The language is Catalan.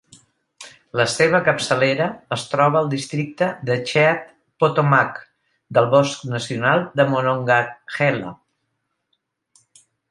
La seva capçalera es troba al districte de Cheat-Potomac del bosc nacional de Monongahela.